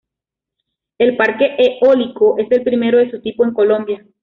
El parque eólico es el primero de su tipo en Colombia.